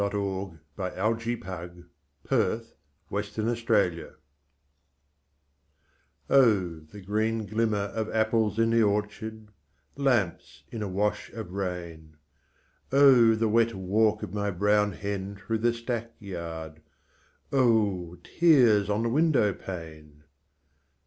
H. LAWRENCE BALLAD OF ANOTHER OPHELIA Oh, the green glimmer of apples in the orchard, Lamps in a wash of rain, Oh, the wet walk of my brown hen through the stackyard, Oh, tears on the window pane!